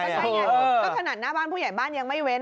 ใช่ไงก็ขนาดหน้าบ้านผู้ใหญ่บ้านยังไม่เว้น